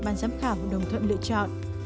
ban giám khảo đồng thuận lựa chọn